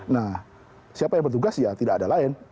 nah siapa yang bertugas ya tidak ada lain